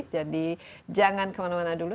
jadi jangan kemana mana dulu